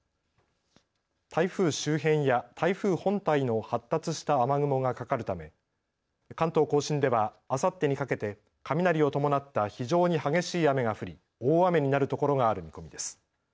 台風周辺や台風本体の発達した雨雲がかかるため関東甲信ではあさってにかけて雷を伴った非常に激しい雨が降り大雨になるところがある見込みです。